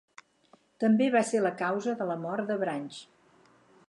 També va ser la causa de la mort de Branch.